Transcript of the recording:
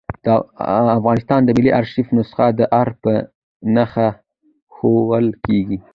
د افغانستان د ملي آرشیف نسخه د آر په نخښه ښوول کېږي.